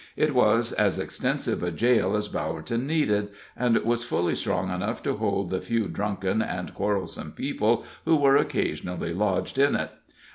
It was as extensive a jail as Bowerton needed, and was fully strong enough to hold the few drunken and quarrelsome people who were occasionally lodged in it.